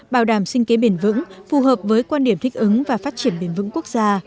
bảo đảm sinh kế bền vững phù hợp với quan điểm thích ứng và phát triển bền vững quốc gia